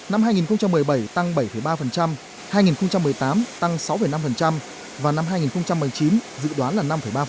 năm hai nghìn một mươi bảy tăng bảy ba hai nghìn một mươi tám tăng sáu năm và năm hai nghìn một mươi chín dự đoán là năm ba